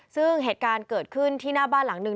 ซึ่งเหตุการณ์เกิดขึ้นที่หน้าบ้านหลังหนึ่ง